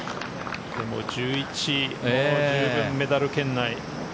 でも１１でも十分メダル圏内。